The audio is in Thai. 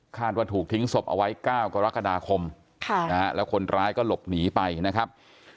ว่าถูกทิ้งศพเอาไว้๙กรกฎาคมแล้วคนร้ายก็หลบหนีไปนะครับ